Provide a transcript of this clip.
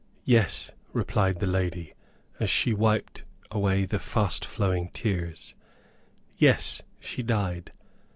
"Yes," replied the lady, as she wiped away the fast flowing tears; "Yes, she died.